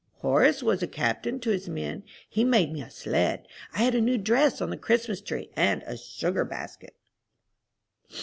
Horace was a captain to his men. He made me a sled. I had a new dress on the Christmas tree, and a sugar basket.